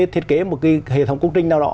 thiết kế một hệ thống công trình nào đó